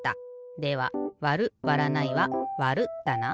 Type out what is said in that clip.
ではわるわらないはわるだな。